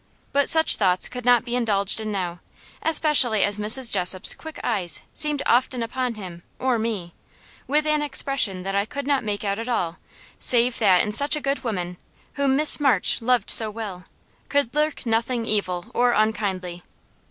But such thoughts could not be indulged in now, especially as Mrs. Jessop's quick eyes seemed often upon him or me, with an expression that I could not make out at all, save that in such a good woman, whom Miss March so well loved, could lurk nothing evil or unkindly.